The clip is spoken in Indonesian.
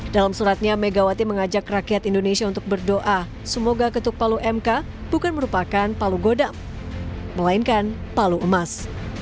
dalam suratnya megawati mengajak rakyat indonesia untuk berdoa semoga ketuk palu mk bukan merupakan palu goda melainkan palu emas